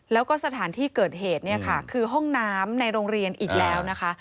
แล้วก็สถานที่เกิดเหตุเนี่ยค่ะคือห้องน้ำในโรงเรียนอีกแล้วนะคะ